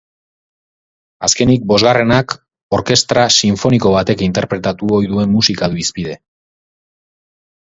Azkenik, bosgarrenak orkestra sinfoniko batek interpretatu ohi duen musika du hizpide.